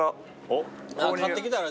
買ってきたら？